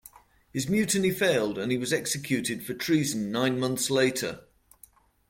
His mutiny failed and he was executed for treason nine months later.